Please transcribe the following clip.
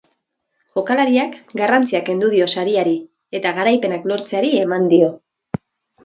Jokalariak, garrantzia kendu dio sariari, eta garaipenak lortzeari eman dio.